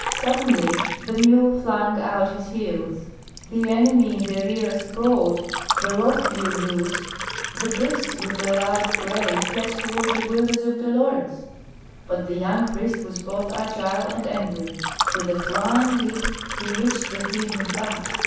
Suddenly, the mule flung out his heels, the enemy in the rear sprawled, the rope flew loose, the beast with a loud bray fled toward the willows of Dolores. But the young priest was both agile and angry. With a flying leap he reached the heaving back.